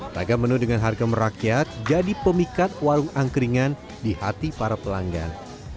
ragam menu dengan harga merakyat jadi pemikat warung angkringan di hati para pelanggan